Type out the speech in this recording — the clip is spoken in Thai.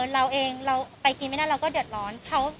เราเองไปกินไปนั่นเราก็เดือดร้อน